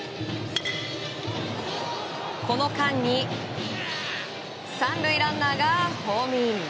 この間に３塁ランナーがホームイン。